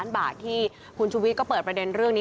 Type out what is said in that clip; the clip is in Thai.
ล้านบาทที่คุณชุวิตก็เปิดประเด็นเรื่องนี้